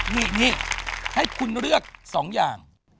นี่ให้คุณเลือก๒อย่าง